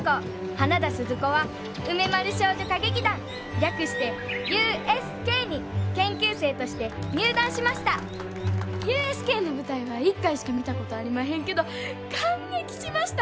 花田鈴子は梅丸少女歌劇団略してＵＳＫに研究生として入団しましたＵＳＫの舞台は１回しか見たことありまへんけど感激しました！